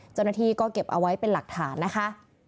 เจ้าหน้าที่ก็เก็บเอาไว้เป็นหลักฐานนะคะ